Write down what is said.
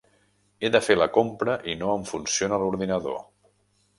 He de fer la compra i no em funciona l'ordinador.